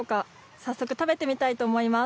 早速、食べてみたいと思います。